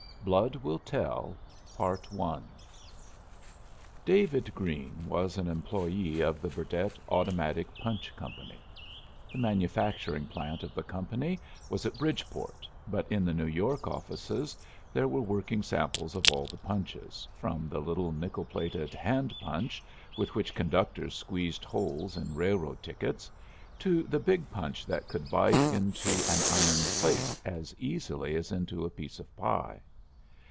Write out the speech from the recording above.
BLOOD WILL TELL David Greene was an employee of the Burdett Automatic Punch Company. The manufacturing plant of the company was at Bridgeport, but in the New York offices there were working samples of all the punches, from the little nickel plated hand punch with which conductors squeezed holes in railroad tickets, to the big punch that could bite into an iron plate as easily as into a piece of pie.